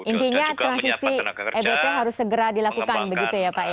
intinya transisi ebt harus segera dilakukan begitu ya pak ya